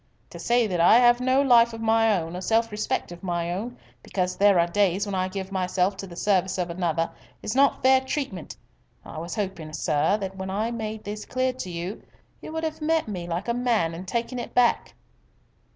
To say that I have no life of my own, or self respect of my own, because there are days when I give myself to the service of another, is not fair treatment. I was hoping, sir, that when I made this clear to you, you would have met me like a man and taken it back."